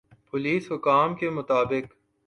police حکام کا مطابق